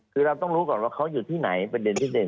คือเราต้องรู้ก่อนว่าเขาอยู่ที่ไหนประเด็นที่เด่น